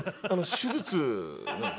手術？